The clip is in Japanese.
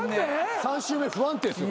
３週目不安定ですよ。